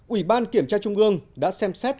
ủy ban kiểm tra trung ương đã xem xét